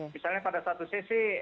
misalnya pada satu sisi